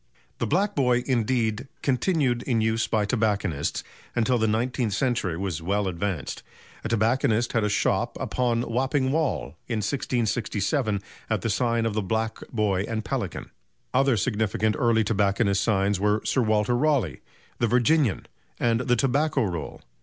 The "Black Boy," indeed, continued in use by tobacconists until the nineteenth century was well advanced. A tobacconist had a shop "uppon Wapping Wall" in 1667 at the sign of the "Black Boy and Pelican." Other significant early tobacconists' signs were "Sir Walter Raleigh," "The Virginian" and "The Tobacco Roll."